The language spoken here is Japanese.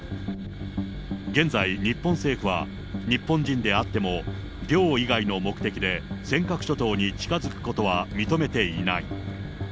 現在、日本政府は日本人であっても、漁以外の目的で、尖閣諸島に近づくことは認めていない。